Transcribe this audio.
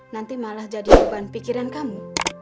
nanti malah jadi beban pikiran kamu